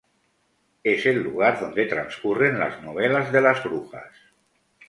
Es el lugar donde transcurren las novelas de las Brujas.